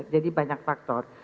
jadi banyak faktor